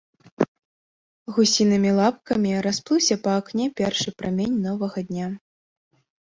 Гусінымі лапкамі расплыўся па акне першы прамень новага дня.